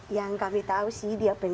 yang kami tahu sih dia pengen jadi